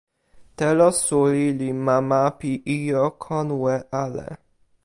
telo suli li mama pi ijo konwe ale.